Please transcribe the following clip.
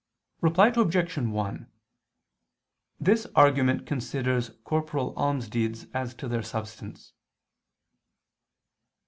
Reply Obj. 1: This argument considers corporal almsdeeds as to their substance.